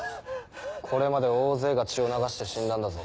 これまで大勢が血を流して死んだんだぞ。